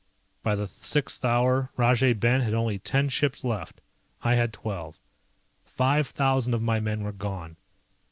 By the sixth hour Rajay Ben had only ten ships left. I had twelve. Five thousand of my men were gone.